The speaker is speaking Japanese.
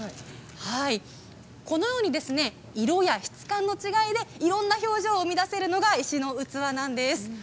このように、色や質感の違いでいろいろな表情を生み出せるのが石の器なんです。